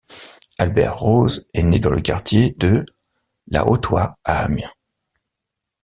Albert Roze est né dans le quartier de La Hotoie à Amiens.